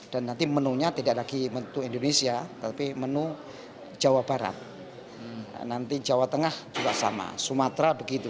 dan nanti menunya tidak lagi menuju indonesia tapi menu jawa barat nanti jawa tengah juga sama sumatera begitu